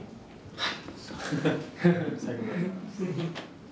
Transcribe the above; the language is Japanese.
はい。